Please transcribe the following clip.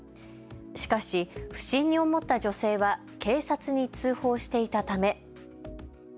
しかし不審に思った女性は警察に通報していたため。